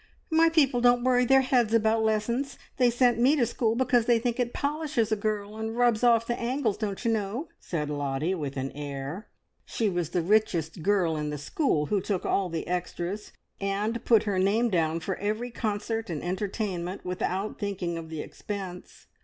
"My people don't worry their heads about lessons. They sent me to school because they think it polishes a girl, and rubs off the angles, don't you know!" said Lottie, with an air. She was the richest girl in the school, who took all the extras, and put her name down for every concert and entertainment, without thinking of the expense.